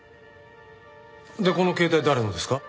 でこの携帯誰のですか？